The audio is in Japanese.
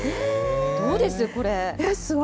どうです、これ？